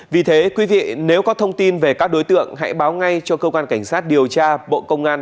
vì thế quý vị nếu có thông tin về các đối tượng hãy báo ngay cho cơ quan cảnh sát điều tra bộ công an